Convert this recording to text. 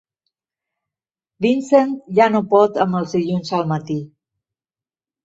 Vincent ja no pot amb els dilluns al matí!